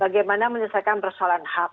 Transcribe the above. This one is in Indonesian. bagaimana menyelesaikan persoalan hak